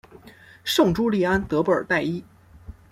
圣朱利安德布尔代伊。